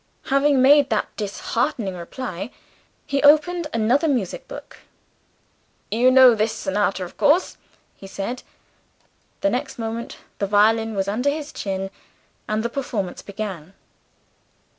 Having made that disheartening reply, he opened another music book. "You know this sonata, of course?" he said. The next moment, the violin was under his chin and the performance began.